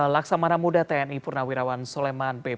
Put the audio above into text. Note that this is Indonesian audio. laksamana muda tni purnawirawan soleman bp